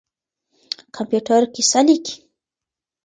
کمپيوټر کيسه ليکي.